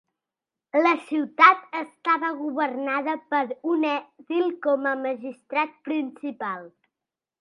La ciutat estava governada per un edil com a magistrat principal.